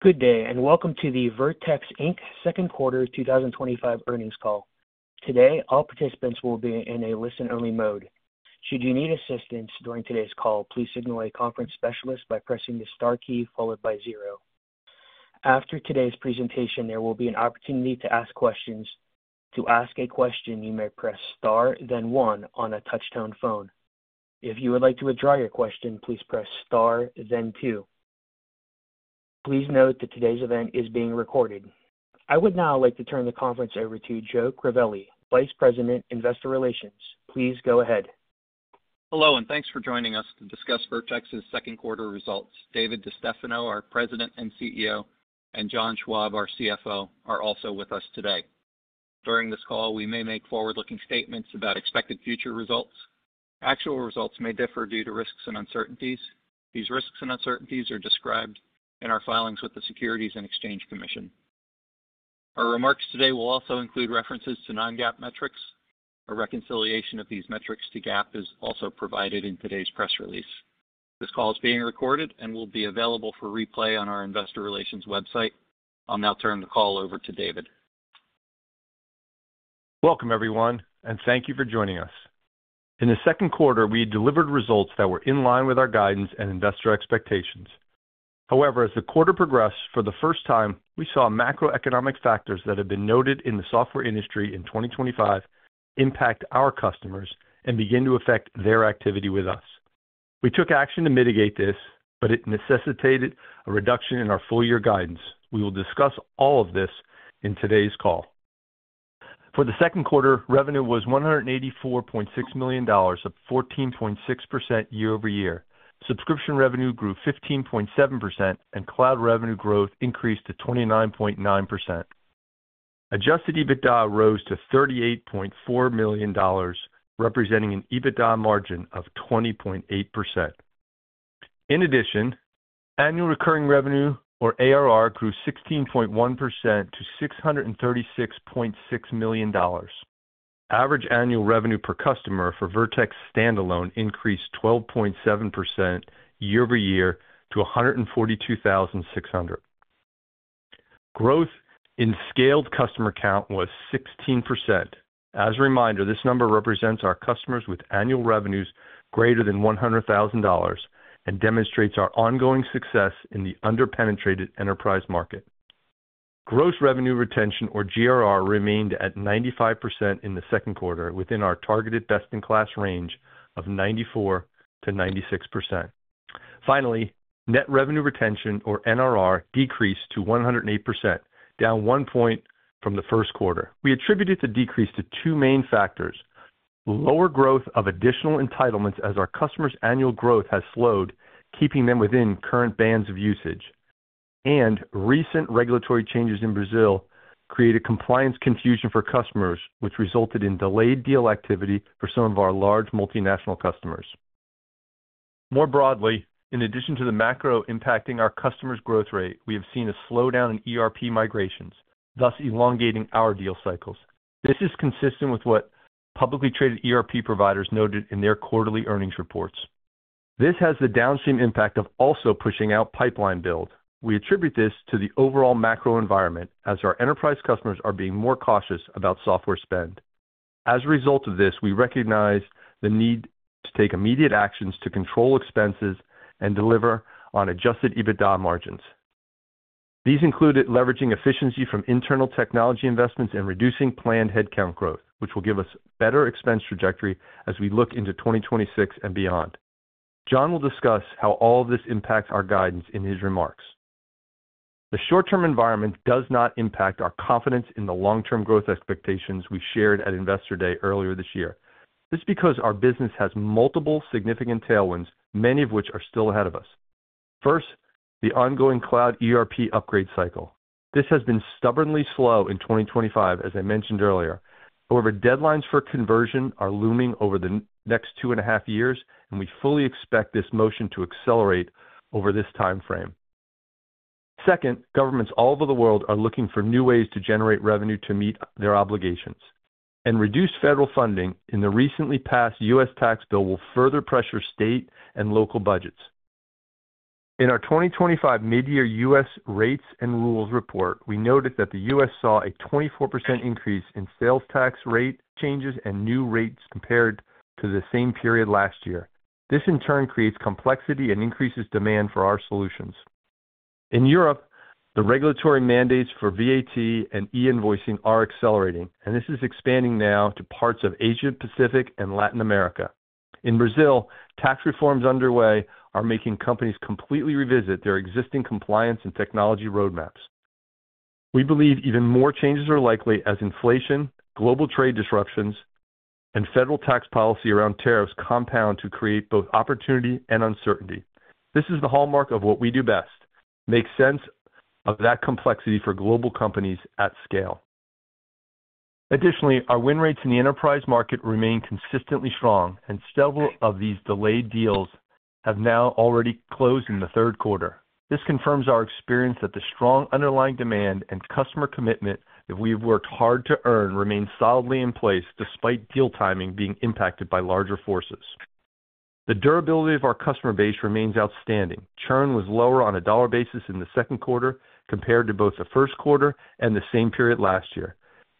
Good day and welcome to the Vertex, Inc Second Quarter 2025 Earnings Call. Today all participants will be in a listen-only mode. Should you need assistance during today's call, please signal a conference specialist by pressing the Star key followed by zero. After today's presentation, there will be an opportunity to ask questions. To ask a question, you may press Star then one on a touchtone phone. If you would like to withdraw your question, please press Star then two. Please note that today's event is being recorded. I would now like to turn the conference over to Joe Crivelli, Vice President, Investor Relations. Please go ahead. Hello and thanks for joining us to discuss Vertex's Second Quarter Results. David DeStefano, our President and CEO, and John Schwab, our CFO, are also with us today. During this call, we may make forward-looking statements about expected future results and actual results may differ due to risks and uncertainties. These risks and uncertainties are described in our filings with the Securities and Exchange Commission. Our remarks today will also include references to non-GAAP metrics. A reconciliation of these metrics to GAAP is also provided in today's press release. This call is being recorded and will be available for replay on our investor relations website. I'll now turn the call over to David. Welcome everyone and thank you for joining us. In the second quarter, we delivered results that were in line with our guidance and investor expectations. However, as the quarter progressed, for the first time, we saw macroeconomic factors that have been noted in the software industry in 2025 impact our customers and begin to affect their activity with us. We took action to mitigate this, but it necessitated a reduction in our full year guidance. We will discuss all of this in today's call. For the second quarter, revenue was $184.6 million, up 14.6% year-over-year. Subscription revenue grew 15.7% and cloud revenue growth increased to 29.9%. Adjusted EBITDA rose to $38.4 million, representing an EBITDA margin of 20.8%. In addition, annual recurring revenue, or ARR, grew 16.1% to $636.6 million. Average annual revenue per customer for Vertex standalone increased 12.7% year-over-year to $142,600. Growth in scaled customer count was 16%. As a reminder, this number represents our customers with annual revenues greater than $100,000 and demonstrates our ongoing success in the underpenetrated enterprise market. Gross revenue retention, or GRR, remained at 95% in the second quarter within our targeted best-in-class range of 94%-96%. Finally, net revenue retention, or NRR, decreased to 108%, down one point from the first quarter. We attributed the decrease to two main factors: lower growth of additional entitlements as our customers' annual growth has slowed, keeping them within current bands of usage, and recent regulatory changes in Brazil created compliance confusion for customers, which resulted in delayed deal activity for some of our large multinational customers. More broadly, in addition to the macro impacting our customers' growth rate, we have seen a slowdown in ERP migrations, thus elongating our deal cycles. This is consistent with what publicly traded ERP providers noted in their quarterly earnings reports. This has the downstream impact of also pushing out pipeline build. We attribute this to the overall macro environment as our enterprise customers are being more cautious about software spend. As a result of this, we recognize the need to take immediate actions to control expenses and deliver on adjusted EBITDA margins. These include leveraging efficiency from internal technology investments and reducing planned headcount growth, which will give us back better expense trajectory as we look into 2026 and beyond. John will discuss how all this impacts our guidance in his remarks. The short-term environment does not impact our confidence in the long-term growth expectations we shared at Investor Day earlier this year. This is because our business has multiple significant tailwinds, many of which are still ahead of us. First, the ongoing cloud ERP upgrade cycle. This has been stubbornly slow in 2024 as I mentioned earlier. However, deadlines for conversion are looming over the next two and a half years, and we fully expect this motion to accelerate over this timeframe. Second, governments all over the world are looking for new ways to generate revenue to meet their obligations, and reduced federal funding in the recently passed U.S. tax bill will further pressure state and local budgets. In our 2024 Mid-Year U.S. Rates and Rules Report, we noted that the U.S. saw a 24% increase in sales tax rate changes and new rates compared to the same period last year. This in turn creates complexity and increases demand for our solutions. In Europe, the regulatory mandates for VAT and e-invoicing are accelerating, and this is expanding now to parts of Asia Pacific and Latin America. In Brazil, tax reforms underway are making companies completely revisit their existing compliance and technology roadmaps. We believe even more changes are likely as inflation, global trade disruptions, and federal tax policy around tariffs compound to create both opportunity and uncertainty. This is the hallmark of what we do best: make sense of that complexity for global companies at scale. Additionally, our win rates in the enterprise market remain consistently strong, and several of these delayed deals have now already closed in the third quarter. This confirms our experience that the strong underlying demand and customer commitment that we have worked hard to earn remain solidly in place. Despite deal timing being impacted by larger forces, the durability of our customer base remains outstanding. Churn was lower on a dollar basis in the second quarter compared to both the first quarter and the same period last year.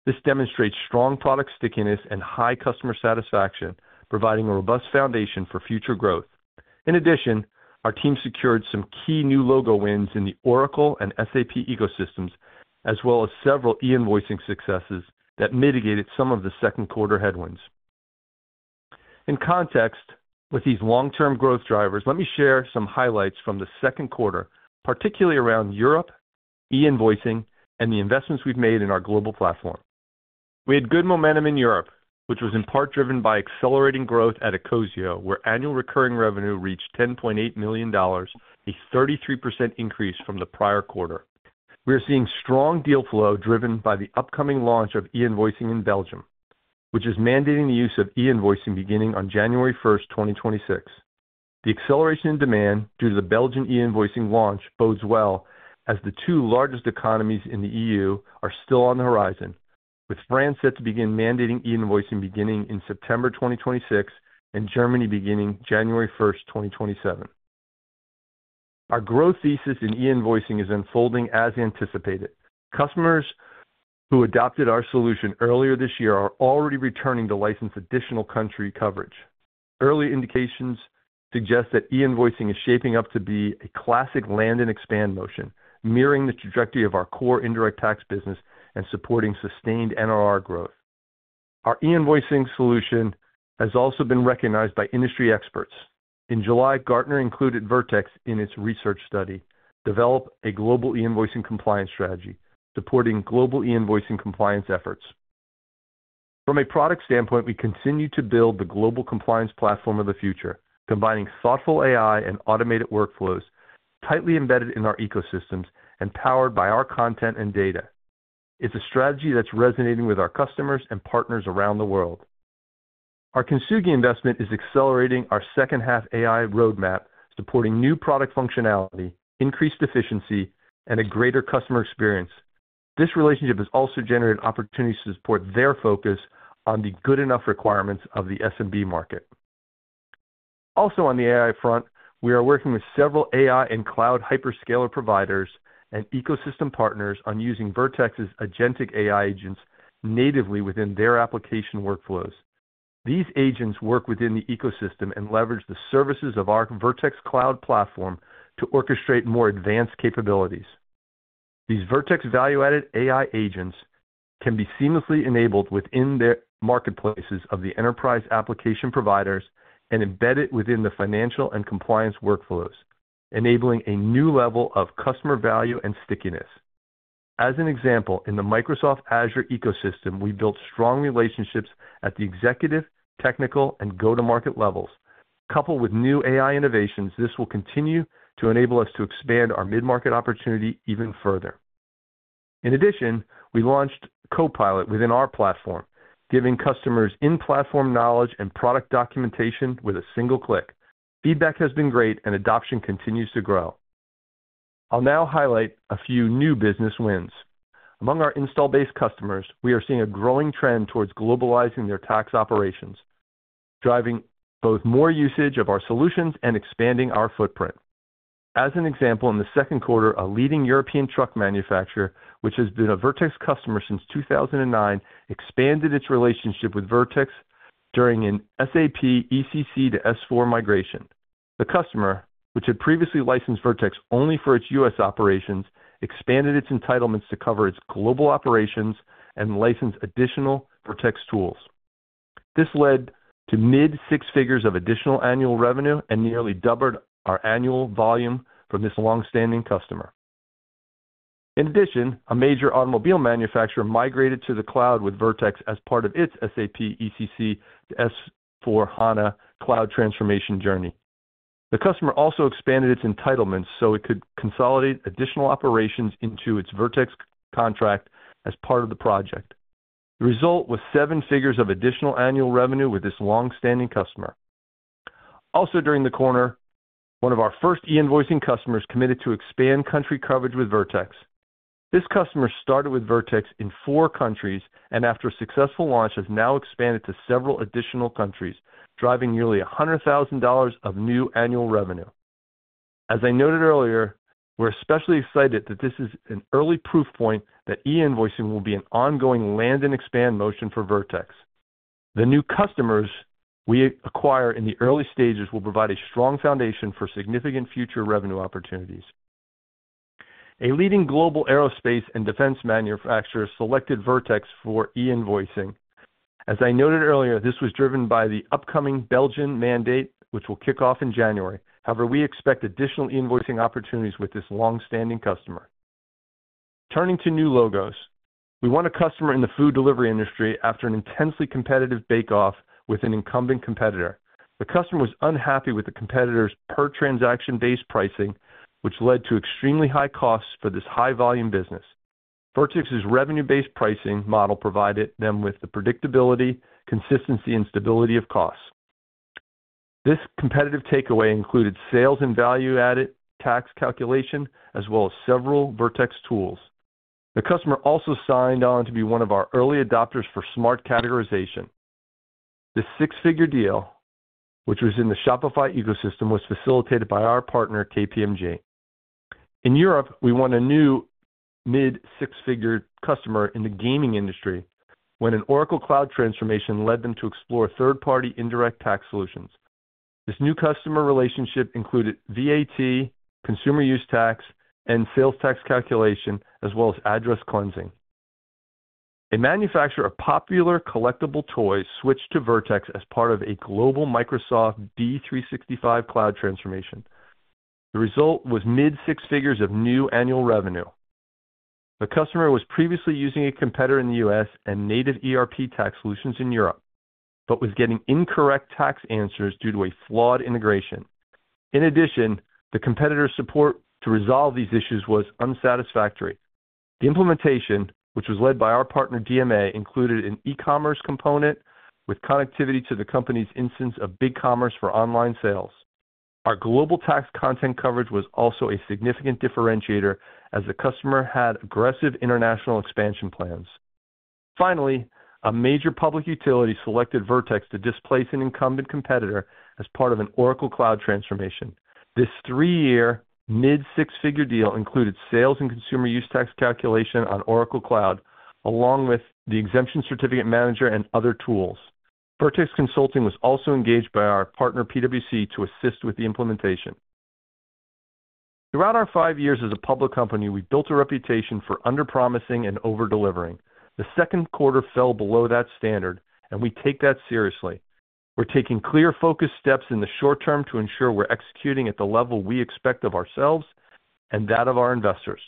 This demonstrates strong product stickiness and high customer satisfaction, providing a robust foundation for future growth. In addition, our team secured some key new logo wins in the Oracle and SAP ecosystems, as well as several e-invoicing successes that mitigated some of the second quarter headwinds. In context with these long term growth drivers, let me share some highlights from the second quarter, particularly around Europe e-invoicing and the investments we've made in our global platform. We had good momentum in Europe, which was in part driven by accelerating growth at ecosio, where annual recurring revenue reached $10.8 million, a 33% increase from the prior quarter. We are seeing strong deal flow driven by the upcoming launch of e-invoicing in Belgium, which is mandating the use of e-invoicing beginning on January 1, 2026. The acceleration in demand due to the Belgian e-invoicing launch bodes well as the two largest economies in the EU are still on the horizon, with France set to begin mandating e-invoicing beginning in September 2026 and Germany beginning January 1, 2027. Our growth thesis in e-invoicing is unfolding as anticipated. Customers who adopted our solution earlier this year are already returning to license additional country coverage. Early indications suggest that e-invoicing is shaping up to be a classic land-and-expand motion, mirroring the trajectory of our core indirect tax business and supporting sustained NRR growth. Our e-invoicing solution has also been recognized by industry experts. In July, Gartner included Vertex in its research study Develop a Global E-Invoicing Compliance Strategy supporting global e-invoicing compliance efforts. From a product standpoint, we continue to build the global compliance platform of the future, combining thoughtful AI and automated workflows tightly embedded in our ecosystems and powered by our content and data. It's a strategy that's resonating with our customers and partners around the world. Our Kintsugi investment is accelerating our second half AI roadmap, supporting new product functionality, increased efficiency, and a greater customer experience. This relationship has also generated opportunities to support their focus on the good enough requirements of the S&B market. Also on the AI front, we are working with several AI and cloud hyperscaler providers and ecosystem partners on using Vertex's agentic AI agents natively within their application workflows. These agents work within the ecosystem and leverage the services of our Vertex cloud platform to orchestrate more advanced capabilities. These Vertex value added AI agents can be seamlessly enabled within their marketplaces of the enterprise application providers and embed it within the financial and compliance workflows, enabling a new level of customer value and stickiness. As an example, in the Microsoft Azure ecosystem, we built strong relationships at the executive, technical, and go to market levels. Coupled with new AI innovations, this will continue to enable us to expand our mid market opportunity even further. In addition, we launched Copilot within our platform, giving customers in platform knowledge and product documentation with a single click. Feedback has been great and adoption continues to grow. I'll now highlight a few new business wins among our install base customers. We are seeing a growing trend towards globalizing their tax operations, driving both more usage of our solutions and expanding our footprint. As an example, in the second quarter, a leading European truck manufacturer, which has been a Vertex customer since 2009, expanded its relationship with Vertex during an SAP ECC to S/4 migration. The customer, which had previously licensed Vertex only for its U.S. operations, expanded its entitlements to cover its global operations and licensed additional Vertex tools. This led to mid six figures of additional annual revenue and nearly doubled our annual volume from this long standing customer. In addition, a major automobile manufacturer migrated to the cloud with Vertex as part of its SAP ECC S/4HANA Cloud Transformation Journey. The customer also expanded its entitlements so it could consolidate additional operations into its Vertex contract as part of the project. The result was seven figures of additional annual revenue with this long standing customer. Also during the quarter, one of our first e-invoicing customers committed to expand country coverage with Vertex. This customer started with Vertex in four countries and after a successful launch has now expanded to several additional countries, driving nearly $100,000 of new annual revenue. As I noted earlier, we're especially excited that this is an early proof point that e-invoicing will be an ongoing land and expand motion for Vertex. The new customers we acquire in the early stages will provide a strong foundation for significant future revenue opportunities. A leading global aerospace and defense manufacturer selected Vertex for e-invoicing. As I noted earlier, this was driven by the upcoming Belgian mandate, which will kick off in January. However, we expect additional invoicing opportunities with this long-standing customer. Turning to new logos, we won a customer in the food delivery industry after an intensely competitive bake-off with an incumbent competitor. The customer was unhappy with the competitor's per-transaction-based pricing, which led to extremely high costs for this high-volume business. Vertex's revenue-based pricing model provided them with the predictability, consistency, and stability of costs. This competitive takeaway included sales and value added tax calculation as well as several Vertex tools. The customer also signed on to be one of our early adopters for smart categorization. The six-figure deal, which was in the Shopify ecosystem, was facilitated by our partner KPMG in Europe. We won a new mid six-figure customer in the gaming industry when an Oracle cloud transformation led them to explore third-party indirect tax solutions. This new customer relationship included VAT, consumer use tax, and sales tax calculation as well as address cleansing. A manufacturer of popular collectible toys switched to Vertex as part of a global Microsoft D365 cloud transformation. The result was mid six figures of new annual revenue. The customer was previously using a competitor in the U.S. and native ERP tax solutions in Europe but was getting incorrect tax answers due to a flawed integration. In addition, the competitor support to resolve these issues was unsatisfactory. The implementation, which was led by our partner DMA, included an e-commerce component with connectivity to the company's instance of BigCommerce for online sales. Our global tax content coverage was also a significant differentiator as the customer had aggressive international expansion plans. Finally, a major public utility selected Vertex to displace an incumbent competitor as part of an Oracle Cloud transformation. This three-year mid six-figure deal included sales and consumer use tax calculation on Oracle Cloud along with the Exemption Certificate Manager and other tools. Vertex Consulting was also engaged by our partner PwC to assist with the implementation. Throughout our five years as a public company, we built a reputation for under promising and over delivering. The second quarter fell below that standard, and we take that seriously. We're taking clear, focused steps in the short-term to ensure we're executing at the level we expect of ourselves and that of our investors,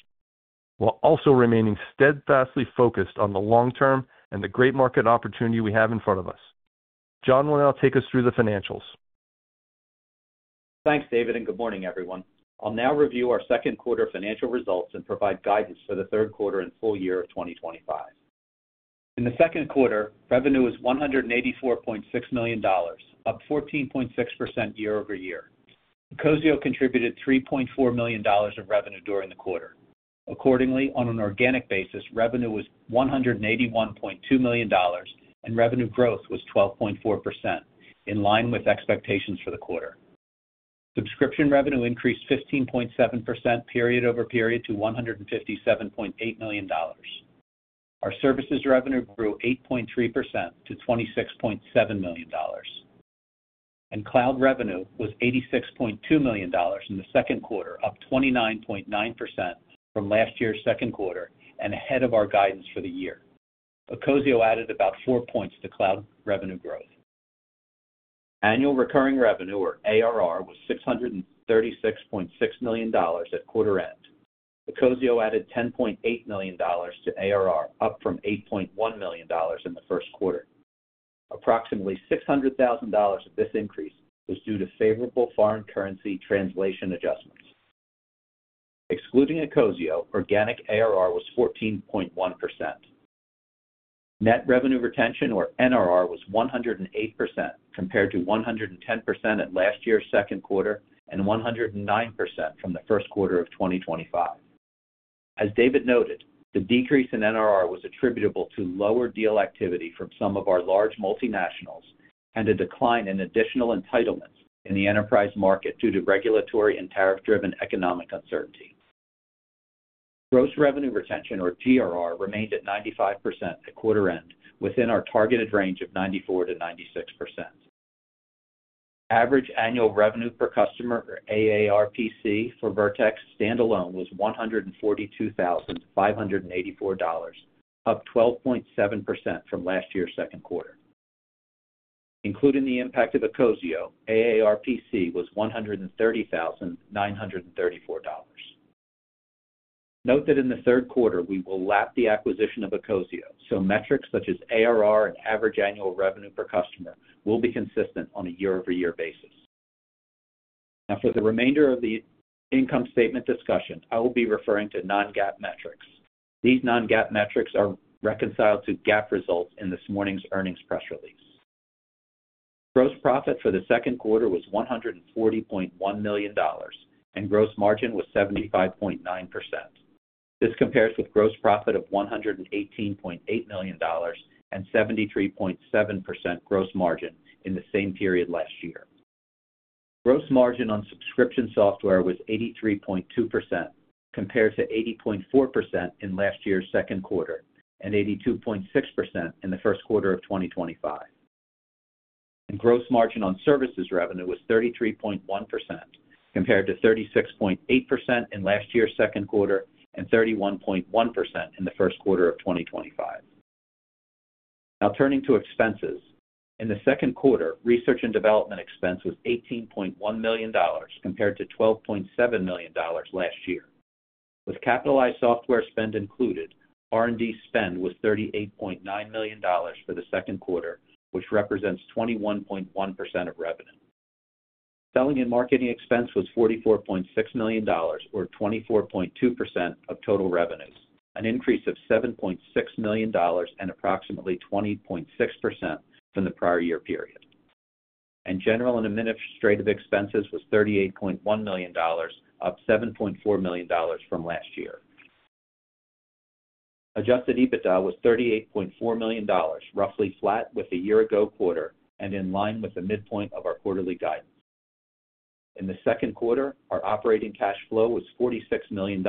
while also remaining steadfastly focused on the long term and the great market opportunity we have in front of us. John will now take us through the financials. Thanks David and good morning everyone. I'll now review our second quarter financial results and provide guidance for the third quarter and full year of 2025. In the second quarter, revenue was $184.6 million, up 14.6% year-over-year. Ecosio contributed $3.4 million of revenue during the quarter. Accordingly, on an organic basis, revenue was $181.2 million and revenue growth was 12.4%, in line with expectations for the quarter. Subscription revenue increased 15.7% period-over-period to $157.8 million. Our services revenue grew 8.3% to $26.7 million, and cloud revenue was $86.2 million in the second quarter, up 29.9% from last year's second quarter and ahead of our guidance for the year. Ecosio added about four points to cloud revenue growth. Annual recurring revenue, or ARR, was $636.6 million at quarter end. Ecosio added $10.8 million to ARR, up from $8.1 million in the first quarter. Approximately $600,000 of this increase was due to favorable foreign currency translation adjustments. Excluding ecosio, organic ARR was 14.1%. Net revenue retention, or NRR, was 108% compared to 110% at last year's second quarter and 109% from the first quarter of 2025. As David noted, the decrease in NRR was attributable to lower deal activity from some of our large multinationals and a decline in additional entitlements in the enterprise market due to regulatory and tariff-driven economic uncertainty. Gross revenue retention, or TRR, remained at 95% at quarter end within our targeted range of 94%-96%. Average annual revenue per customer, or AARPC, for Vertex standalone was $142,584, up 12.7% from last year's second quarter. Including the impact of ecosio, AARPC was $130,934. Note that in the third quarter we will lap the acquisition of ecosio, so metrics such as ARR and average annual revenue per customer will be consistent on a year-over-year basis. Now for the remainder of the income statement discussion, I will be referring to non-GAAP metrics. These non-GAAP metrics are reconciled to GAAP results in this morning's earnings press release. Gross profit for the second quarter was $140.1 million, and gross margin was 75.9%. This compares with gross profit of $118.8 million and 73.7% gross margin in the same period. Last year, gross margin on subscription software was 83.2% compared to 80.4% in last year's second quarter and 82.6% in the first quarter of 2025. Gross margin on services revenue was 33.1% compared to 36.8% in last year's second quarter and 31.1% in the first quarter of 2025. Now turning to expenses in the second quarter, research and development expense was $18.1 million compared to $12.7 million last year. With capitalized software spend included, R&D spend was $38.9 million for the second quarter, which represents 21.1% of revenue. Selling and marketing expense was $44.6 million, or 24.2% of total revenues, an increase of $7.6 million and approximately 20.6% from the prior year period. General and administrative expenses was $38.1 million, up $7.4 million from last year. Adjusted EBITDA was $38.4 million, roughly flat with the year-ago quarter and in line with the midpoint of our quarterly guidance. In the second quarter, our operating cash flow was $46 million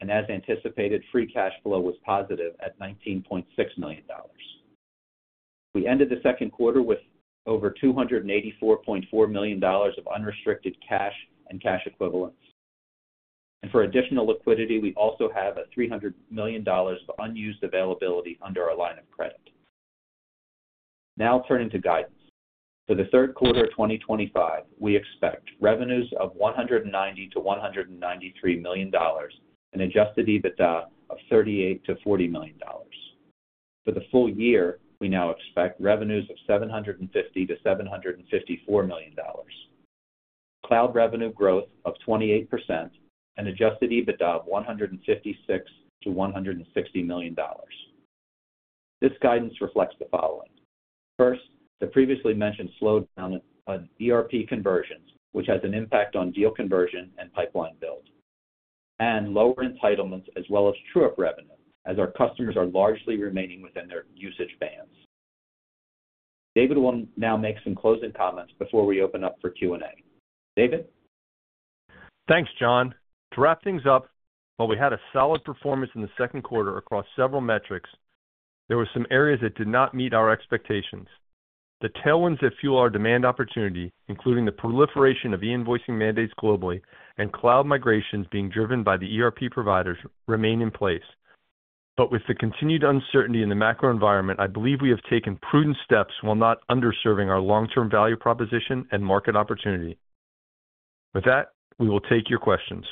and, as anticipated, free cash flow was positive at $19.6 million. We ended the second quarter with over $284.4 million of unrestricted cash and cash equivalents, and for additional liquidity, we also have $300 million of unused availability under our line of credit. Now turning to guidance for the third quarter 2025, we expect revenues of $190 million-$193 million and adjusted EBITDA of $38 million-$40 million. For the full year, we now expect revenues of $750 million-$754 million, cloud revenue growth of 28%, and adjusted EBITDA of $156 million-$160 million. This guidance reflects the following. First, the previously mentioned slowdown on ERP conversions, which has an impact on deal conversion and pipeline build and lower entitlements as well as true-up revenue as our customers are largely remaining within their usage bands. David will now make some closing comments before we open up for Q&A. David. Thanks, John. To wrap things up, while we had a solid performance in the second quarter across several metrics, there were some areas that did not meet our expectations. The tailwinds that fuel our demand opportunity, including the proliferation of e-invoicing mandates globally and cloud migrations being driven by the ERP providers, remain in place. With the continued uncertainty in the macro environment, I believe we have taken prudent steps while not underserving our long-term value proposition and market opportunity. With that, we will take your questions.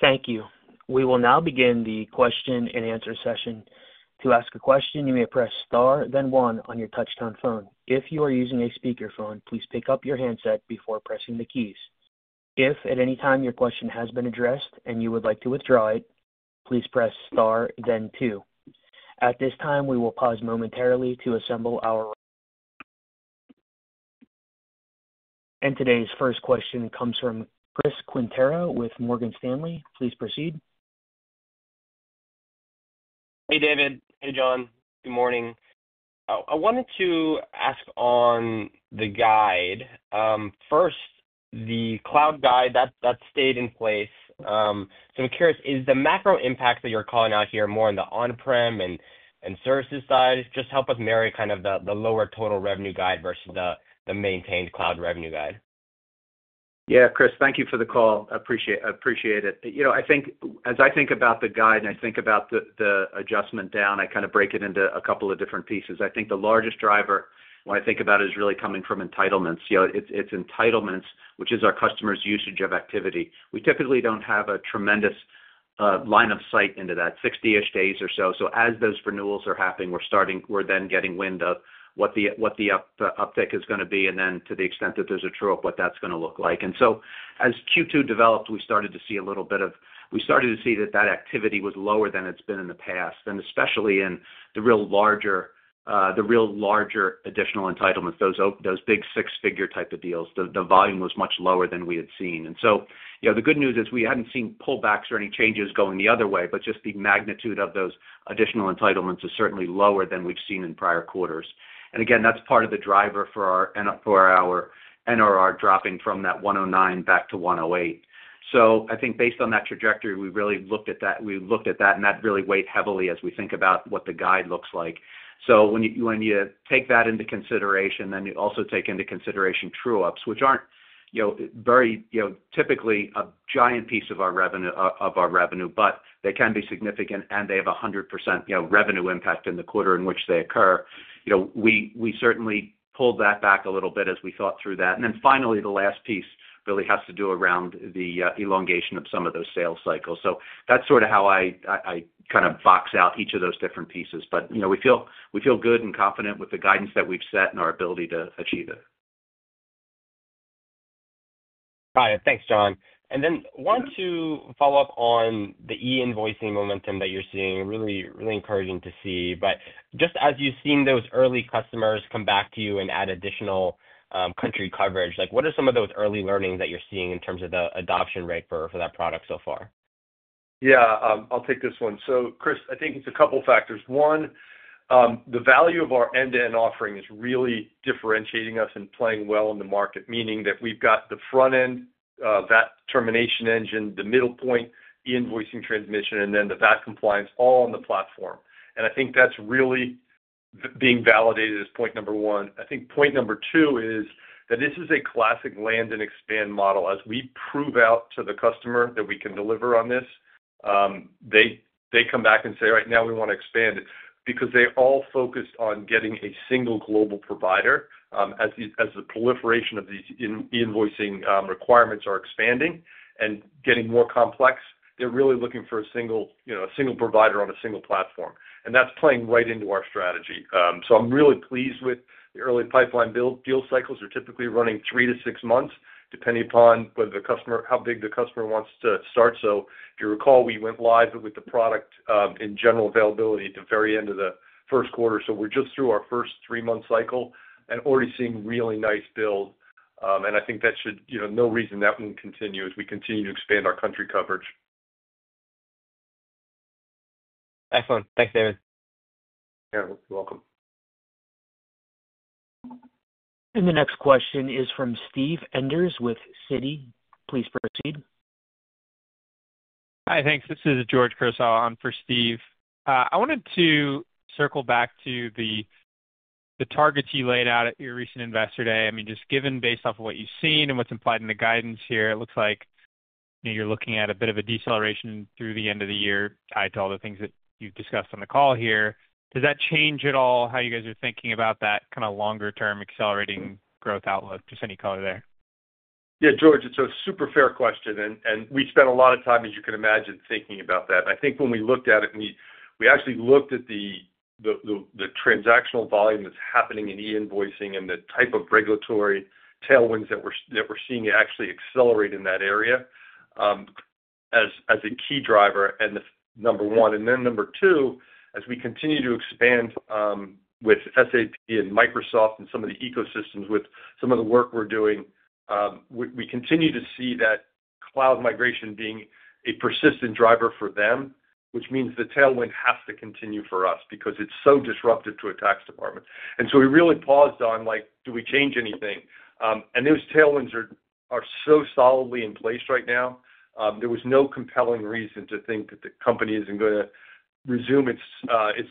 Thank you. We will now begin the question-and-answer session. To ask a question, you may press Star then one on your touchtone phone. If you are using a speakerphone, please pick up your handset before pressing the keys. If at any time your question has been addressed and you would like to withdraw it, please press Star then two. At this time, we will pause momentarily to assemble our and today's first question comes from Chris Quintero with Morgan Stanley. Please proceed. Hey David. Hey John, good morning. I wanted to ask on the guide first, the cloud guide that stayed in place. I'm curious, is the macro impact that you're calling out here more in the on-prem and services side? Just help with marry kind of the lower total revenue guide versus the maintained cloud revenue guide. Yeah. Chris, thank you for the call. Appreciate it. I think as I think about the guide and I think about the adjustment down, I kind of break it into a couple of different pieces. I think the largest driver when I think about it is really coming from entitlements. It's entitlements, which is our customers' usage of activity. We typically don't have a tremendous line of sight into that, 60ish days or so as those renewals are happening, we're starting, we're then getting wind of what the uptick is going to be and to the extent that there's a true-up, what that's going to look like. As Q2 developed, we started to see a little bit of, we started to see that activity was lower than it's been in the past, especially in the real larger additional entitlements, those big six-figure type of deals. The volume was much lower than we had seen. The good news is we hadn't seen pullbacks or any changes going the other way. Just the magnitude of those additional entitlements is certainly lower than we've seen in prior quarters. That's part of the driver for our NRR dropping from that 109 back to 108. Based on that trajectory, we really looked at that, we looked at that and that really weighed heavily as we think about what the guide looks like. When you take that into consideration, then you also take into consideration true-ups, which aren't, you know, very typically a giant piece of our revenue, but they can be significant and they have 100% revenue impact in the quarter in which they occur. We certainly pulled that back a little bit as we thought through that. Finally, the last piece really has to do around the elongation of some of those sales cycles. That's sort of how I kind of box out each of those different pieces. We feel good and confident with the guidance that we've set and our ability to achieve it. Hi, thanks John. I want to follow up on. The e-invoicing momentum that you're seeing is really, really encouraging to see. As you've seen those early customers come back to you and add additional country coverage, what are some of those early learnings that you're seeing in terms of the adoption rate for that product so far? Yeah, I'll take this one. Chris, I think it's a couple factors. One, the value of our end-to-end offering is really differentiating us and playing well in the market, meaning that we've got the front-end VAT determination engine, the middle point, the invoicing transmission, and then the VAT compliance all on the platform. I think that's really being validated as point number one. I think point number two is that this is a classic land-and-expand model. As we prove out to the customer that we can deliver on this, they come back and say right now we want to expand because they all focused on getting a single global provider. As the proliferation of these e-invoicing requirements are expanding and getting more complex, they're really looking for a single provider on a single platform. That's playing right into our strategy. I'm really pleased with the early pipeline build. Deal cycles are typically running three to six months depending upon how big the customer wants to start. If you recall, we went live with the product in general availability at the very end of the first quarter. We're just through our first three-month cycle and already seeing really nice build and I think that should, no reason that won't continue as we continue to expand our country coverage. Excellent, thanks, David. Welcome. The next question is from Steve Enders with Citi. Please proceed. Hi, thanks. This is George Crosaw on for Steve. I wanted to circle back to the targets you laid out. At your recent investor day, just given based off of. What you've seen and what's implied. The guidance here, it looks like you're looking at a bit of a deceleration. Through the end of the year, I tell the things that you've discussed. On the call here, does that change at all how you guys are thinking about that kind of longer term accelerating growth outlook? Just any color there? Yeah, George, it's a super fair question and we spent a lot of time, as you can imagine, thinking about that. I think when we looked at it, we actually looked at the transactional volume that's happening in e-invoicing and the type of regulatory tailwinds that we're seeing actually accelerate in that area as a key driver. Number one, and then number two, as we continue to expand with SAP and Microsoft and some of the ecosystems with some of the work we're doing, we continue to see that cloud migration being a persistent driver for them, which means the tailwind has to continue for us because it's so disruptive to a tax department. We really paused on, like, do we change anything? Those tailwinds are so solidly in place right now. There was no compelling reason to think that the company isn't going to resume its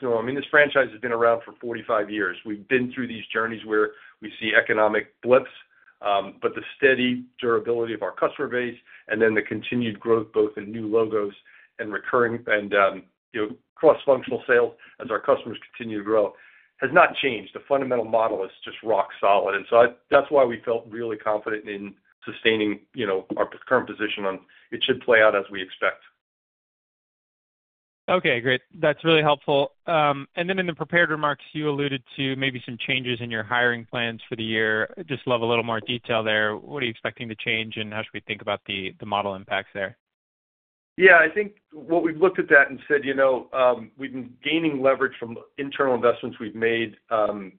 normal. I mean, this franchise has been around for 45 years. We've been through these journeys where we see economic blips, but the steady durability of our customer base and then the continued growth both in new logos and recurring and cross functional sales as our customers continue to grow has not changed. The fundamental model is just rock solid. That's why we felt really confident in sustaining, you know, our current position on it should play out as we expect. Okay, great. That's really helpful. In the prepared remarks, you alluded to maybe some changes in your. Hiring plans for the year. Just love a little more detail there. What are you expecting to change, and how should we think about the model impacts there? Yeah, I think what we've looked at and said, you know, we've been gaining leverage from internal investments we've made.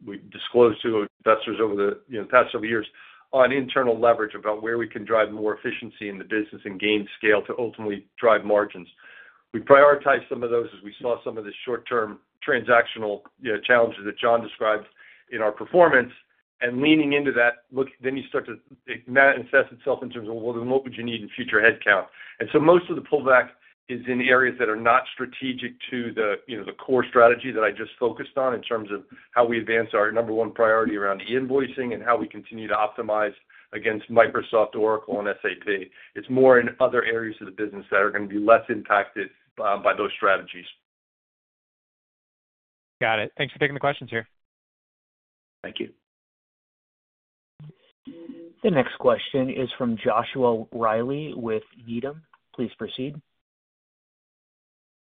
We've disclosed to investors over the past several years on internal leverage about where we can drive more efficiency in the business and gain scale to ultimately drive margins. We prioritize some of those as we saw some of the short-term transactional challenges that John described in our performance. Leaning into that, you start to manifest itself in terms of what you would need in future headcount. Most of the pullback is in areas that are not strategic to the core strategy that I just focused on in terms of how we advance our number one priority around invoicing and how we continue to optimize against Microsoft, Oracle, and SAP. It's more in other areas of the business that are going to be less impacted by those strategies. Got it. Thanks for taking the questions here. Thank you. The next question is from Joshua Riley with. Please proceed.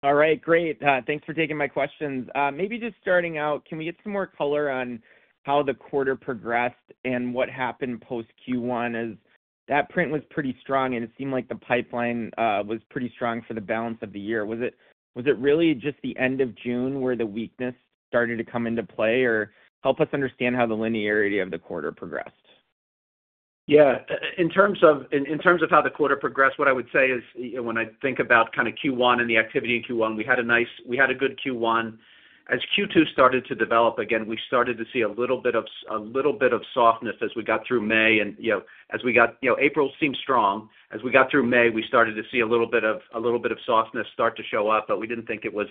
All right, great. Thanks for taking my questions. Maybe just starting out, can we get some more color on how the quarter progressed and what happened post Q1 as that print was pretty strong and it seemed like the pipeline was pretty strong for the balance of the year. Was it really just the end of June where the weakness started to come into play or help us understand how the linearity of the quarter progressed? Yeah, in terms of how the quarter progressed, what I would say is when I think about kind of Q1 and the activity in Q1, we had a nice, we had a good Q1. As Q2 started to develop again, we started to see a little bit of softness as we got through May and, you know, as we got, you know, April seemed strong. As we got through May, we started to see a little bit of softness start to show up, but we didn't think it was,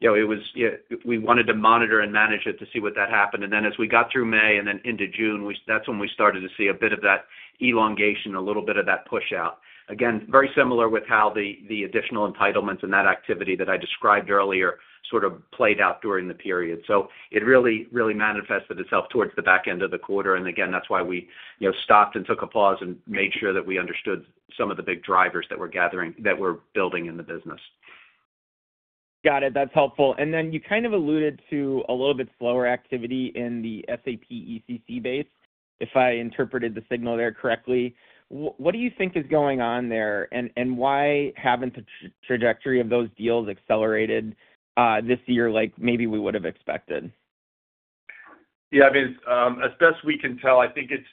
you know, it was, yeah, we wanted to monitor and manage it to see what that happened. As we got through May and then into June, that's when we started to see a bit of that elongation, a little bit of that push out again, very similar with how the additional entitlements and that activity that I described earlier sort of played out during the period. It really, really manifested itself towards the back end of the quarter. That's why we stopped and took a pause and made sure that we understood some of the big drivers that were gathering that were building in the business. Got it. That's helpful. You kind of alluded to a little bit slower activity in the SAP ECC base. If I interpreted the signal there correctly, what do you think is going on there? Why haven't the trajectory of those deals accelerated this year like maybe we would have expected? Yeah, I mean, as best we can tell, I think it's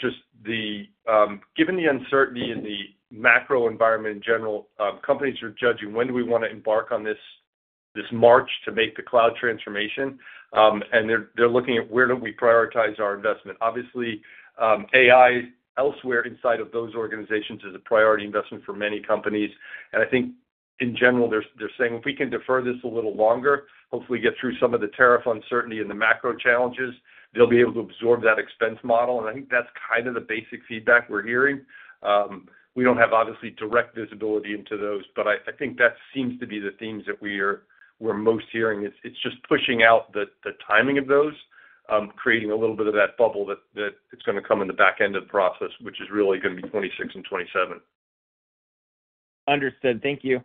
just the uncertainty in the macro environment in general. Companies are judging when do we want to embark on this, this march to make the cloud transformation. They're looking at where do we prioritize our investment. Obviously, AI elsewhere inside of those organizations is a priority investment for many companies. I think in general they're saying if we can defer this a little longer, hopefully get through some of the tariff uncertainty and the macro challenges, they'll be able to absorb that expense model. I think that's kind of the basic feedback we're hearing. We don't have, obviously, direct visibility into those, but I think that seems to be the themes that we're most hearing. It's just pushing out the timing of those, creating a little bit of that bubble that it's going to come in the back end of the process, which is really going to be 2026 and 2027. Understood, thank you.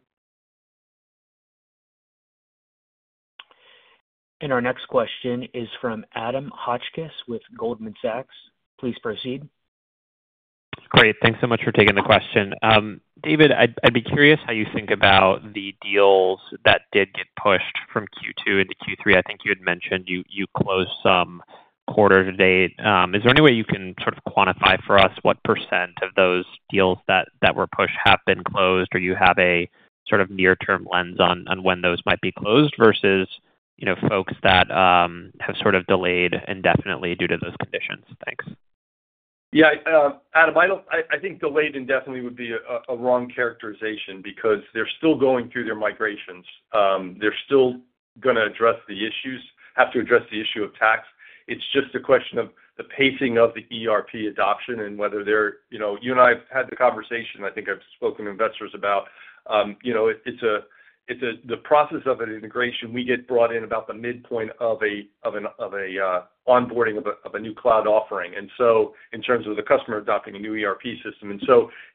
Our next question is from Adam Hotchkiss with Goldman Sachs. Please proceed. Great. Thanks so much for taking the question. David, I'd be curious how you think about the deals that did get pushed from Q2 into Q3. I think you had mentioned you closed some quarter to date. Is there any way you can sort of quantify for us what percent of those deals that were pushed have been closed or you have a sort of near term lens on when those might be closed versus folks that have sort of delayed indefinitely due to those conditions. Thanks. Yeah, Adam, I think delayed indefinitely would be a wrong characterization because they're still going through their migrations, they're still going to address the issues, have to address the issue of tax. It's just a question of the pacing of the ERP adoption and whether they're, you know, you and I have had the conversation. I think I've spoken to investors about, you know, it's a, it's a, the process of an integration. We get brought in about the midpoint of an onboarding of a new cloud offering. In terms of the customer adopting a new ERP system,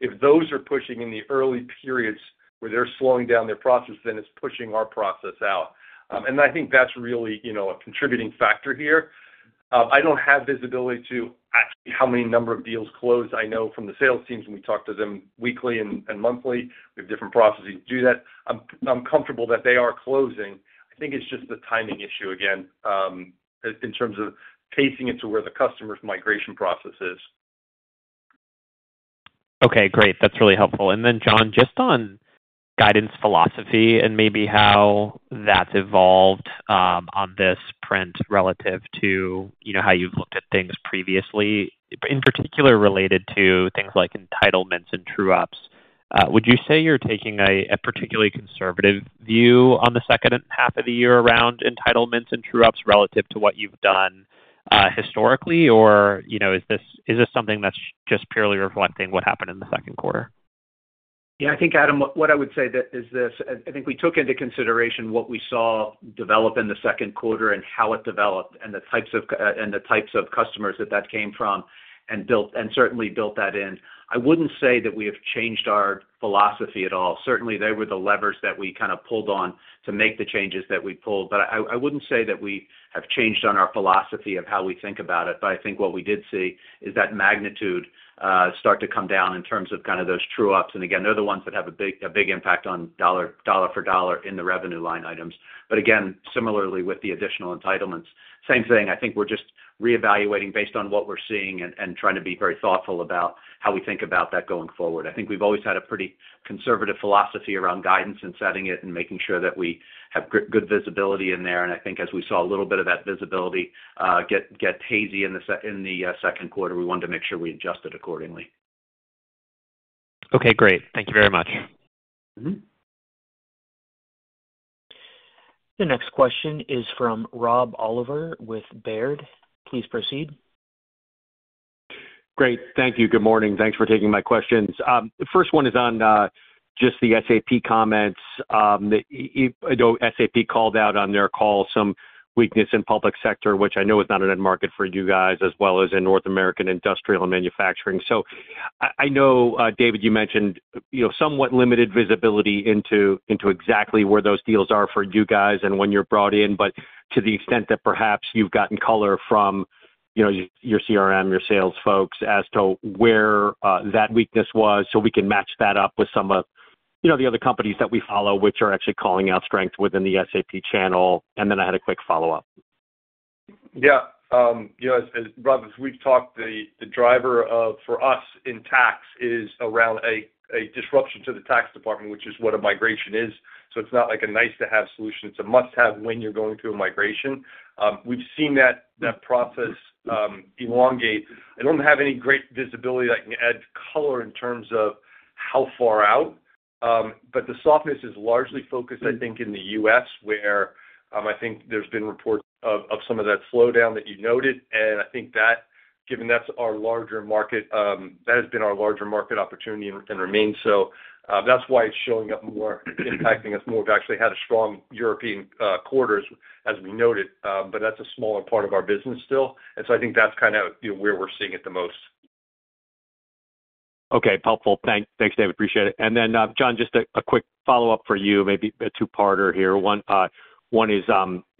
if those are pushing in the early periods where they're slowing down their process, then it's pushing our process out. I think that's really a contributing factor here. I don't have visibility to how many number of deals close. I know from the sales teams and we talk to them weekly and monthly. We have different processes to do that. I'm comfortable that they are closing. I think it's just the timing issue again, in terms of pacing it to where the customer's migration process is. Okay, great. That's really helpful. John, just on guidance philosophy and maybe how that's evolved on this print relative to how you've looked at things previously, in particular related to things like entitlements and true-ups, would you say you're taking a particularly conservative view on the second half of the year around entitlements and true-ups relative to what you've done historically? Or is this something that's just purely reflecting what happened in the second quarter? Yeah, I think, Adam, what I would say is this. I think we took into consideration what we saw develop in the second quarter and how it developed and the types of customers that that came from and certainly built that in. I wouldn't say that we have changed our philosophy at all. Certainly, they were the levers that we kind of pulled on to make the changes that we pulled. I wouldn't say that we have changed on our philosophy of how we think about it. I think what we did see is that magnitude start to come down in terms of those true-ups. Again, they're the ones that have a big impact on dollar for dollar in the revenue line items. Similarly, with the additional entitlements, same thing. I think we're just reevaluating based on what we're seeing and trying to be very thoughtful about how we think about that going forward. I think we've always had a pretty conservative philosophy around guidance and setting it and making sure that we have good visibility in there. As we saw a little bit of that visibility get hazy in the second quarter, we wanted to make sure we adjusted accordingly. Okay, great. Thank you very much. The next question is from Rob Oliver with Baird. Please proceed. Great, thank you. Good morning. Thanks for taking my questions. The first one is on just the SAP comments. SAP called out on their call some weakness in public sector, which I know is not an end market for you guys, as well as in North American industrial and manufacturing. I know, David, you mentioned somewhat limited visibility into exactly where those deals are for you guys and when you're brought in. To the extent that perhaps you've gotten color from your CRM, your sales folks as to where that weakness was, we can match that up with some of the other companies that we follow which are actually calling out strength within the SAP channel. I had a quick follow-up. Yeah, you know, Rob, as we've talked, the driver for us in tax is around a disruption to the tax department, which is what a migration is. It's not like a nice to have solution. It's a must have when you're going through a migration. We've seen that process elongate. I don't have any great visibility that can add color in terms of how far out. The softness is largely focused, I think, in the U.S. where I think there's been reports of some of that slowdown that you noted. I think that given that's our larger market, that has been our larger market opportunity and remains, that's why it's showing up more, impacting us more. We've actually had strong European quarters as we noted. That's a smaller part of our business still. I think that's kind of where we're seeing it the most. Okay, helpful. Thanks. Thanks, David, appreciate it. John, just a quick follow up for you. Maybe a two parter here. One is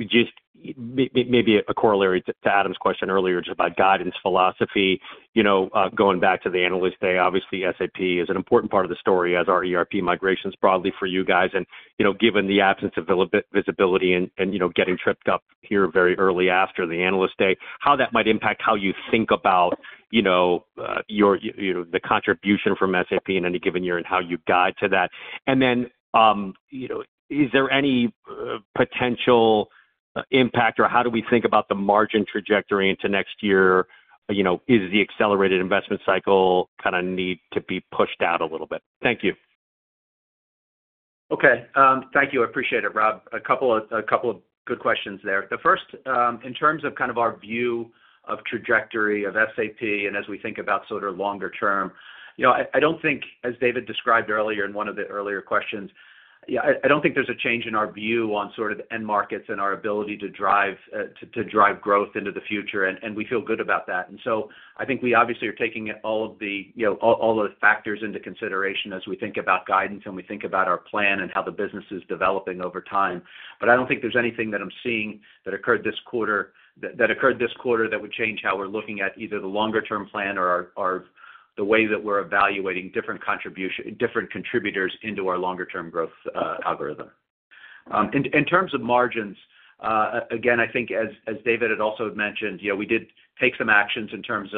just maybe a corollary to Adam's question earlier about guidance philosophy. You know, going back to the analyst day. Obviously SAP is an important part of the story as are ERP migrations broadly for you guys and, you know, given the absence of visibility and getting tripped up here very early after the analyst day, how that might impact how you think about the contribution from SAP in any given year and how you guide to that. Is there any potential impact or how do we think about the margin trajectory into next year? Is the accelerated investment cycle kind of need to be pushed out a little bit? Thank you. Thank you. I appreciate it. Rob, a couple of good questions there. The first, in terms of our view of trajectory of SAP and as we think about sort of longer term, I don't think, as David described earlier in one of the earlier questions, I don't think there's a change in our view on end markets and our ability to drive growth into the future. We feel good about that. I think we obviously are taking all of the factors into consideration as we think about guidance and we think about our plan and how the business is developing over time. I don't think there's anything that I'm seeing that occurred this quarter that would change how we're looking at either the longer-term plan or the way that we're evaluating different contributions, different contributors into our longer term growth algorithm. In terms of margins, I think as David had also mentioned, we did take some actions in terms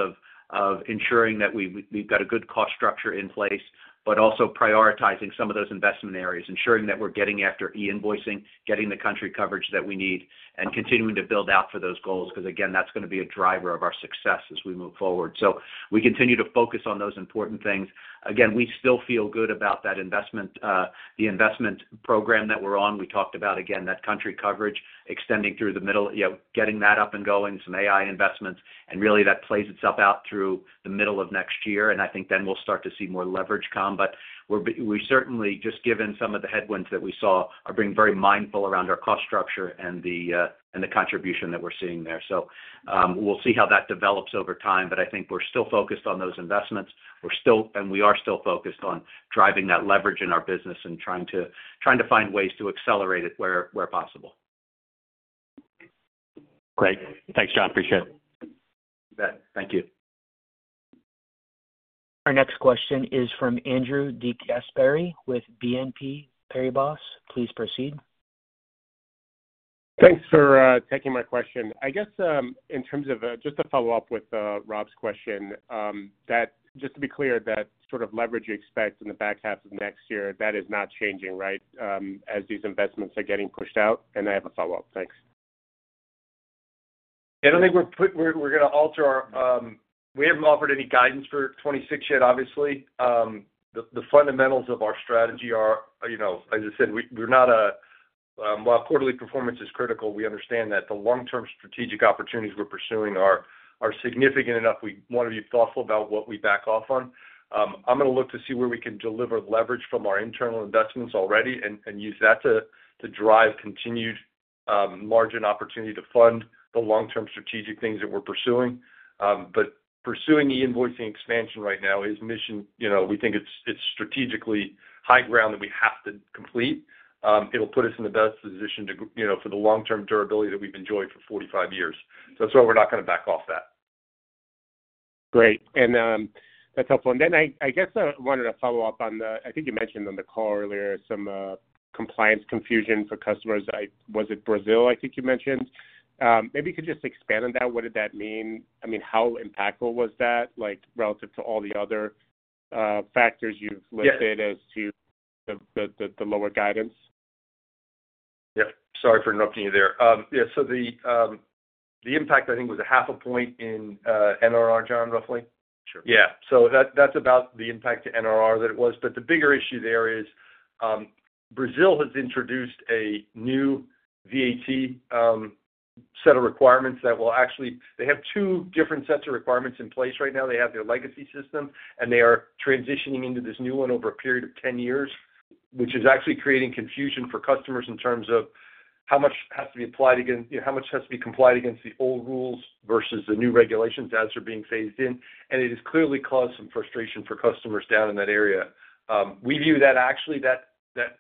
of ensuring that we've got a good cost structure in place, but also prioritizing some of those investment areas, ensuring that we're getting, after invoicing, getting the country coverage that we need and continuing to build out for those goals because that's going to be a driver of our success as we move forward. We continue to focus on those important things. We still feel good about that investment, the investment program that we're on. We talked about again, that country coverage extending through the middle, getting that up and going, some AI investments, and really that plays itself out through the middle of next year. I think then we'll start to see more leverage come. We certainly, just given some of the headwinds that we saw, are being very mindful around our cost structure and the contribution that we're seeing there. We'll see how that develops over time. I think we're still focused on those investments, and we are still focused on driving that leverage in our business and trying to find ways to accelerate it where possible. Great. Thanks, John Appreciate it. Thank you. Our next question is from Andrew DeGasparry with BNP Paribas. Please proceed. Thanks for taking my question. I guess in terms of just to follow up with Rob's question, just to be clear, that sort of leverage. You expect in the back half of next year. That is not changing, right? As these investments are getting pushed out, I have a follow up. Thanks. I don't think we're going to alter our. We haven't offered any guidance for 2026 yet. Obviously the fundamentals of our strategy are, you know, as I said we're not, while quarterly performance is critical, we understand that the long term strategic opportunities we're pursuing are significant enough. We want to be thoughtful about what we back off on. I'm going to look to see where we can deliver leverage from our internal investments already and use that to drive continued margin opportunity to fund the long term strategic things that we're pursuing. Pursuing e-invoicing expansion right now is mission. We think it's strategically high ground that we have to complete. It'll put us in the best position for the long term durability that we've enjoyed for 45 years. We're not going to back off that. Great, that's helpful. I guess I wanted to. Follow up on the I think you mentioned on the call. Earlier, some compliance confusion for customers. Was it Brazil, I think? Maybe you could just expand on that. What did that mean? I mean, how impactful was that? Relative to all the other factors, you've.it as to the lower guidance? Sorry for interrupting you there. Yeah. The impact I think was a half a point in NRR, John. Roughly. That's about the impact to NRR that it was. The bigger issue there is Brazil has introduced a new VAT set of requirements that will actually, they have two different sets of requirements in place right now. They have their legacy system and they are transitioning into this new one over a period of 10 years, which is actually creating confusion for customers in terms of how much has to be applied again, how much has to be complied against the old rules versus the new regulations as they're being phased in. It has clearly caused some frustration for customers down in that area. We view that actually, that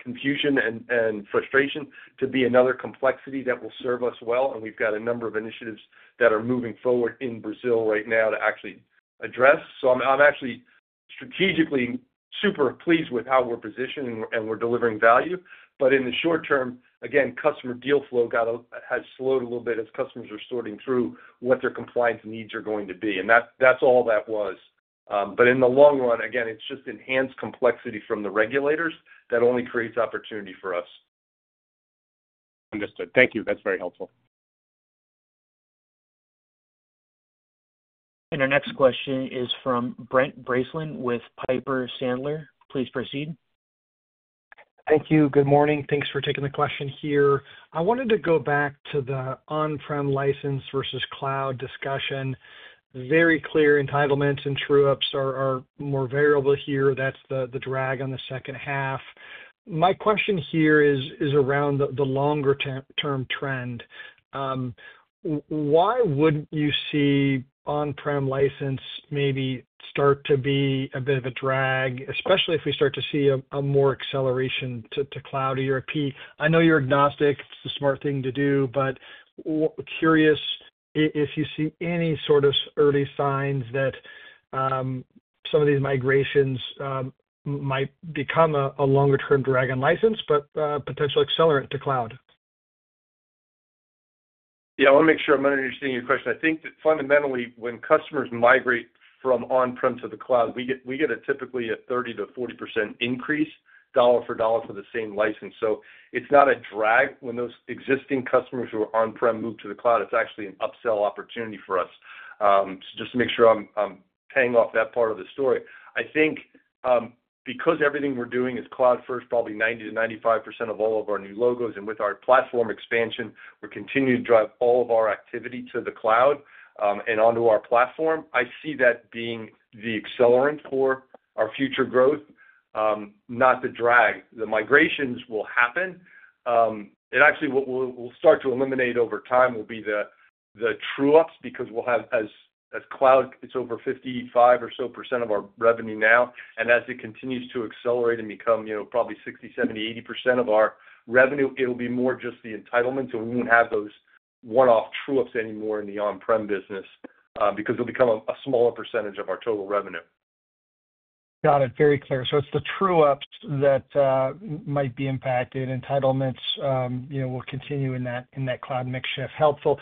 confusion and frustration to be another complexity that will serve us well. We've got a number of initiatives that are moving forward in Brazil right now to actually address. I'm actually strategically super pleased with how we're positioned and we're delivering value. In the short-term, again, customer deal flow has slowed a little bit as customers are sorting through what their compliance needs are going to be. That's all that was. In the long run, again, it's just enhanced complexity from the regulators. That only creates opportunity for us. Understood, thank you, that's very helpful. Our next question is from Brent Bracelin with Piper Sandler. Please proceed. Thank you. Good morning. Thanks for taking the question here. I wanted to go back to the on prem license versus cloud discussion. Very clear. Entitlements and true-ups are more variable here. That's the drag on the second half. My question here is around the longer term trend. Why wouldn't you see on prem license maybe start to be a bit of a drag, especially if we start to see a more acceleration to cloud. ERP. I know you're agnostic, it's a smart thing to do. Curious if you see any sort of early signs that some of these migrations might become a longer term drag on license but potential accelerant to cloud. I want to make sure. I'm not understanding your question. I think that fundamentally when customers migrate from on prem to the cloud we get a typically a 30-40% increase, dollar for dollar for the same license. It's not a drag when those existing customers who are on prem move to the cloud. It's actually an upsell opportunity for us. Just to make sure I'm paying off that part of the story I think because everything we're doing is cloud first, probably 90%-95% of all of our new logos. With our platform expansion we're continuing to drive all of our activity to the cloud and onto our platform. I see that being the accelerant for our future growth, not the drag. The migrations will happen. What we'll start to eliminate over time will be the true-ups because as cloud is over 55% or so of our revenue now, and as it continues to accelerate and become, you know, probably 60%, 70%, 80% of our revenue, it'll be more just the entitlement. We won't have those one-off true-ups anymore in the on prem business because they'll become a smaller percentage of our total revenue. Got it. Very clear. It's the true-ups that might be impacted. Entitlements, you know, will continue in that cloud shift. Helpful.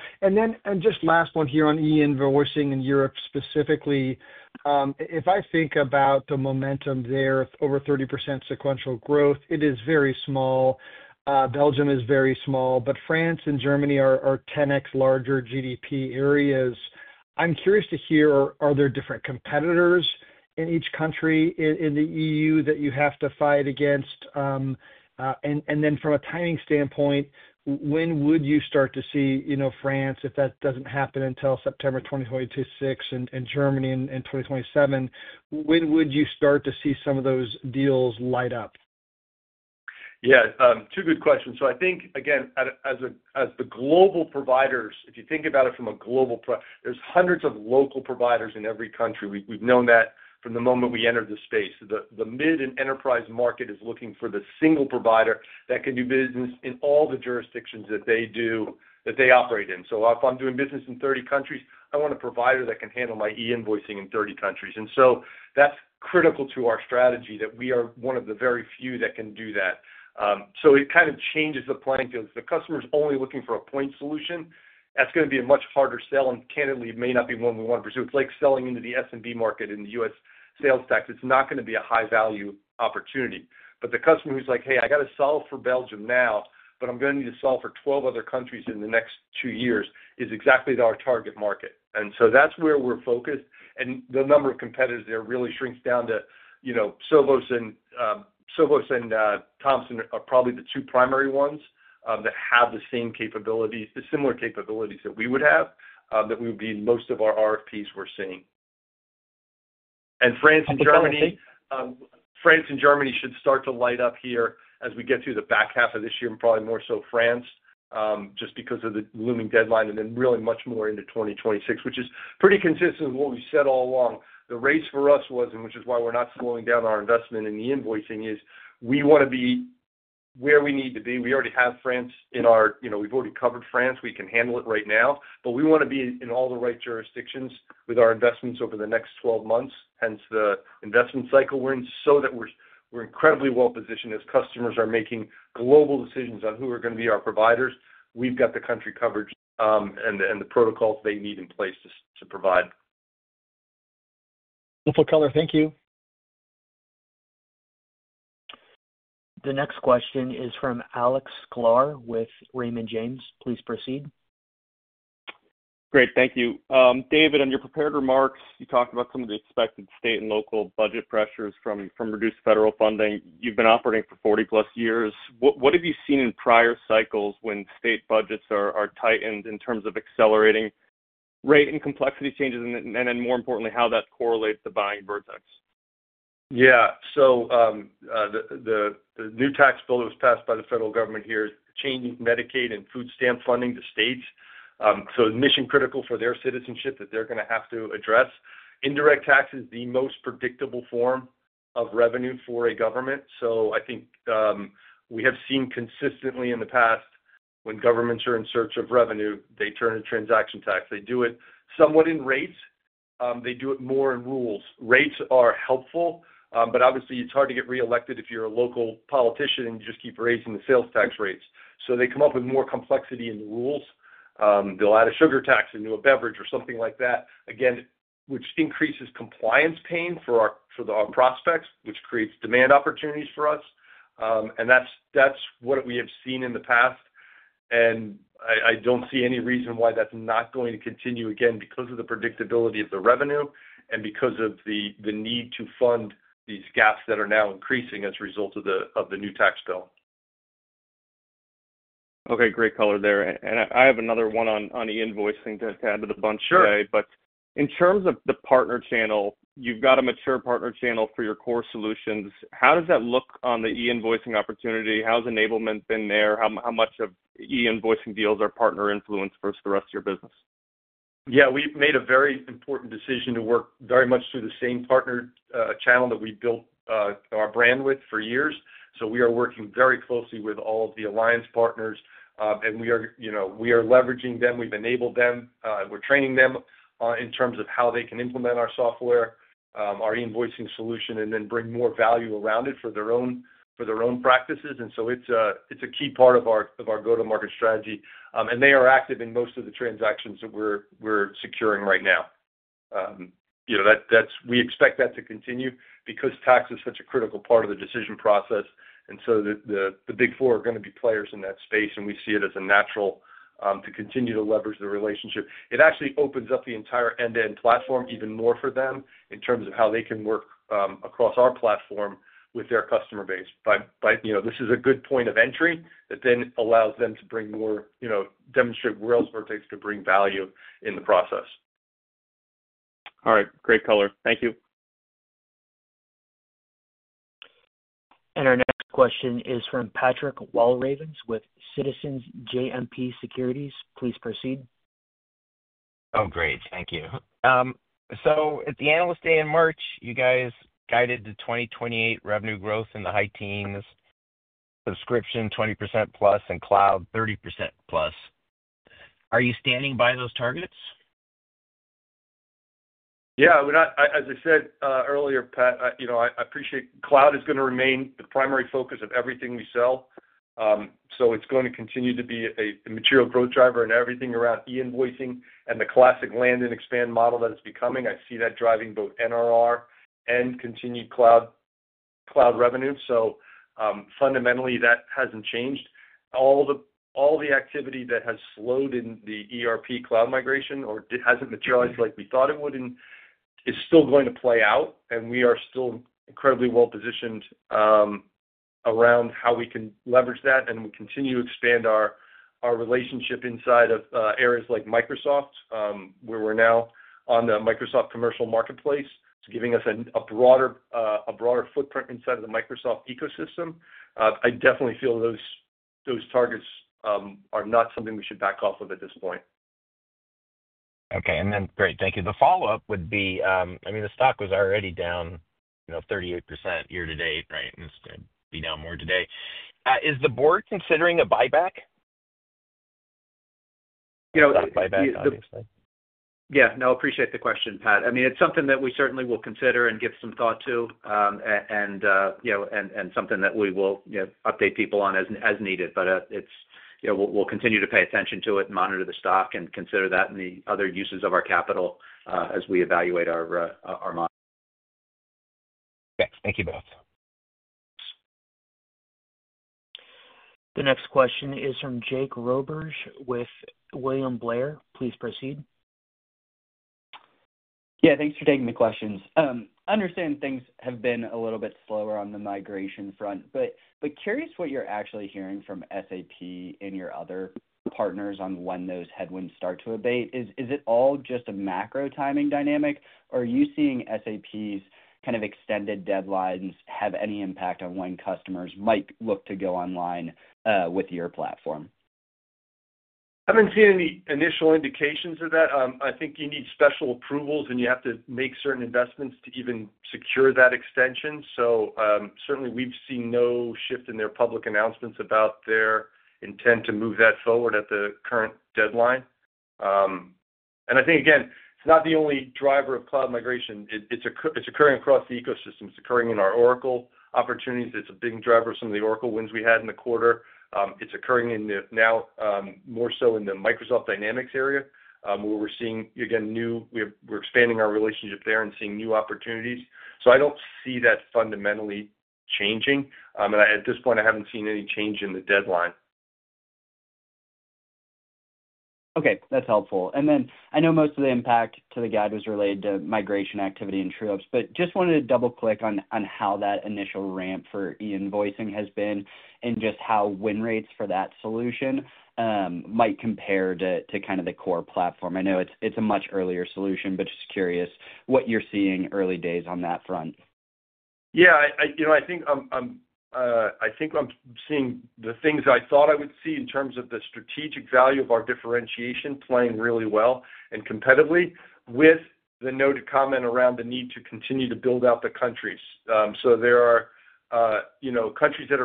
Just last one here on E-invoicing, we're seeing in Europe specifically, if I think about the momentum there, over 30% sequential growth. It is very small, Belgium is very small, but France and Germany are 10x larger GDP areas. I'm curious to hear, are there different competitors in each country in the EU that you have to fight against? From a timing standpoint, when. Would you start to see, you know? France if that doesn't happen until September. 2026 and Germany in 2027, when would you start to see some of those deals light up? Yeah, two good questions. I think again, as the global providers, if you think about it from a global, there's hundreds of local providers in every country. We've known that from the moment we entered the space. The mid and enterprise market is looking for the single provider that can do business in all the jurisdictions that they operate in. If I'm doing business in 30 countries, I want a provider that can handle my e-invoicing in 30 countries. That's critical to our strategy that we are one of the very few that can do that. It kind of changes the playing field. If the customer's only looking for a point solution, that's going to be a much harder sell. Candidly, it may not be one we want to pursue. It's like selling into the S&P market in the U.S. Sales tax, it's not going to be a high value opportunity, but the customer who's like, hey, I got to solve for Belgium now, but I'm going to need to solve for 12 other countries in the next two years is exactly our target market. That's where we're focused. The number of competitors there really shrinks down to, you know, Sovos and Thomson are probably the two primary ones that have the same capabilities, the similar capabilities that we would have that we would be in most of our RFPs we're seeing. France and Germany should start to light up here as we get through the back half of this year and probably more so France just because of the looming deadline and then really much more into 2026, which is pretty consistent with what we said all along. The race for us was, and which is why we're not slowing down our investment in the invoicing, is we want to be where we need to be. We already have France in our, you know, we've already covered France. We can handle it right now. We want to be in all the right jurisdictions with our investments over the next 12 months, hence the investment cycle we're in, so that we're incredibly well positioned as customers are making global decisions on who are going to be our providers. We've got the country coverage and the protocols they need in place to provide for color. Thank you. The next question is from Alex Clar with Raymond James. Please proceed. Great, thank you. David, on your prepared remarks, you talked about some of the expected state and local budget pressures from reduced federal funding. You've been operating for 40+ years. What have you seen in prior cycles when state budgets are tightened in terms of accelerating rate and complexity changes? More importantly, how that correlates to buying Vertex? Yeah. The new tax bill that was passed by the federal government here changes Medicaid and food stamp funding to states, so mission critical for their citizenship that they're going to have to address. Indirect tax is the most predictable form of revenue for a government. I think we have seen consistently in the past when governments are in search of revenue, they turn to a transaction tax. They do it somewhat in rates, they do it more in rules. Rates are helpful, but obviously it's hard to get reelected if you're a local politician and you just keep raising the sales tax rates, so they come up with more complexity in the rules. They'll add a sugar tax into a beverage or something like that, which increases compliance pain for the prospects, which creates demand opportunities for us. That's what we have seen in the past, and I don't see any reason why that's not going to continue, again because of the predictability of the revenue and because of the need to fund these gaps that are now increasing as a result of the new tax bill. Okay, great color there. Thank you. I have another one on e-invoicing to add to the bunch today. In terms of the partner channel, you've got a mature partner channel for your core solutions. How does that look on the e-invoicing opportunity? How's enablement been there? How much of e-invoicing deals are partner influence versus the rest of your business. Yeah, we've made a very important decision to work very much through the same partner channel that we built our brand with for years. We are working very closely with all the alliance partners and we are leveraging them, we've enabled them, we're training them in terms of how they can implement our software, our invoicing solution, and then bring more value around it for their own practices. It's a key part of our go-to-market strategy and they are active in most of the transactions that we're securing right now. We expect that to continue because tax is such a critical part of the decision process. The big four are going to be players in that space and we see it as natural to continue to leverage the relationship. It actually opens up the entire end-to-end platform even more for them in terms of how they can work across our platform with their customer base. This is a good point of entry that then allows them to bring more, you know, demonstrate where Vertex could bring value in the process. All right, great color. Thank you. Our next question is from Patrick Walravens with Citizens JMP Securities. Please proceed. Great, thank you. At the analyst day in March, you guys guided the 2028 revenue growth in the high teens, subscription 20% plus, and cloud 30% plus. Are you standing by those targets? Yeah, as I said earlier, Pat, I appreciate cloud is going to remain the primary focus of everything we sell. It's going to continue to be a material growth driver, and everything around e-invoicing and the classic land-and-expand model that it's becoming, I see that driving both NRR and continued cloud revenue. Fundamentally, that hasn't changed. All the activity that has slowed in the ERP cloud migration or hasn't materialized like we thought it would is still going to play out, and we are still incredibly well positioned around how we can leverage that and continue to expand our relationship inside of areas like Microsoft, where we're now on the Microsoft commercial marketplace, giving us a broader footprint inside of the Microsoft ecosystem. I definitely feel those targets are not something we should back off of at this point. Okay, and then. Great, thank you. The follow up would be, I mean, the stock was already down 38% year to date. Right. And it's going to be down more today. Is the board considering a buyback, you know. Yeah, no, appreciate the question, Pat. I mean, it's something that we certainly will consider and give some thought to, and you know, something that we will update people on as needed. It's, you know, we'll continue to pay attention to it, monitor the stock, and consider that in the other uses of our capital as we evaluate our model. Thank you both. The next question is from Jake Roberge with William Blair. Please proceed. Yeah, thanks for taking the questions. I understand things have been a little bit slower on the migration front, but curious what you're actually hearing from SAP and your other partners on when those headwinds start to abate. Is it all just a macro timing dynamic? Are you seeing SAP's kind of extended deadlines have any impact on when customers might look to go online with your platform? I haven't seen any initial indications of that. I think you need special approvals and you have to make certain investments to even secure that extension. Certainly, we've seen no shift in their public announcements about their intent to move that forward at the current deadline. I think again, it's not the only driver of cloud migration. It's occurring across the ecosystem. It's occurring in our Oracle opportunities. It's a big driver of some of the Oracle wins we had in the quarter. It's occurring now more so in the Microsoft Dynamics area where we're seeing again, we're expanding our relationship there and seeing new opportunities. I don't see that fundamentally changing and at this point I haven't seen any change in the deadline. Okay, that's helpful. I know most of the impact to the guide was related to migration activity and true-ups, but just wanted to double click on how that initial ramp for e-invoicing has been in and just how win rates for that solution might compare to kind of the core platform. I know it's a much earlier solution, but just curious what you're seeing early days on that front. Yeah, I think I'm seeing the things I thought I would see in terms of the strategic value of our differentiation playing really well and competitively with the noted comment around the need to continue to build out the countries. There are companies that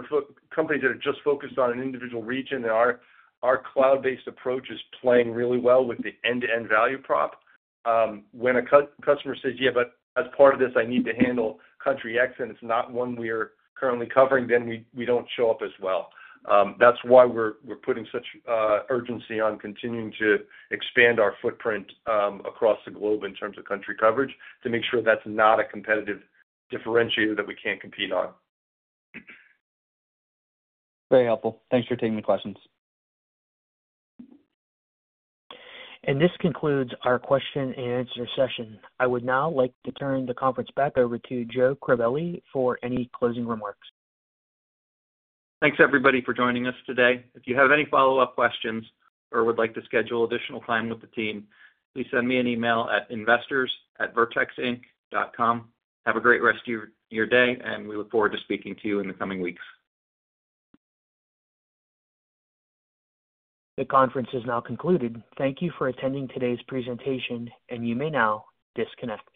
are just focused on an individual region, and our cloud-based approach is playing really well with the end-to-end value prop. When a customer says, yeah, but as part of this I need to handle Country X and it's not one we are currently covering, then we don't show up as well. That's why we're putting such urgency on continuing to expand our footprint across the globe in terms of country coverage to make sure that's not a competitive differentiator that we can't compete on. Very helpful. Thanks for taking the questions. This concludes our question and answer session. I would now like to turn the conference back over to Joe Crivelli for any closing remarks. Thanks everybody for joining us today. If you have any follow-up questions or you would like to schedule additional time with the team, please send me an email at investors@vertexinc.com. Have a great rest of your day and we look forward to speaking to you in the coming weeks. The conference is now concluded. Thank you for attending today's presentation and you may now disconnect.